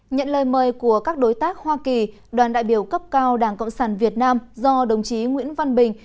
nhận lời mời của các đối tác hoa kỳ đoàn đại biểu cấp cao đảng cộng sản việt nam do đồng chí nguyễn văn bình